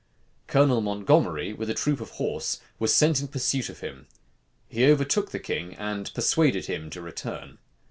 Colonel Montgomery, with a troop of horse, was sent in pursuit of him. He overtook the king, and persuaded him to return.